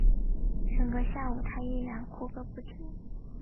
整个下午她依然哭个不停